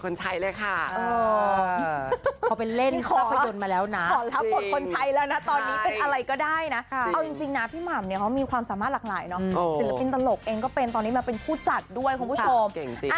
ขอรับบทคนใช้แล้วนะตอนนี้เป็นอะไรก็ได้นะเอาจริงนะพี่หม่ำเนี่ยเขามีความสามารถหลากหลายเนาะศิลปินตลกเองก็เป็นตอนนี้มาเป็นผู้จัดด้วยคุณผู้ชม